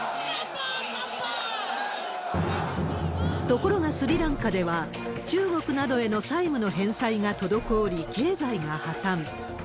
ところがスリランカでは、中国などへの債務の返済が滞り、経済が破綻。